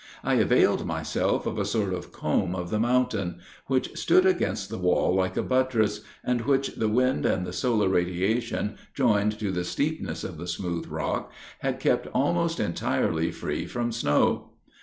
I availed myself of a sort of comb of the mountain, which stood against the wall like a buttress, and which the wind and the solar radiation, joined to the steepness of the smooth rock, had kept almost entirely free from snow.